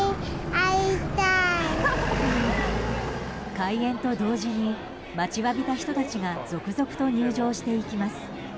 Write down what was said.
開園と同時に待ちわびた人たちが続々と入場していきます。